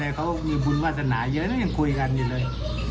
ดีใจเลยเขามีบุญวาสนาเยอะนะยังคุยกันอยู่เลย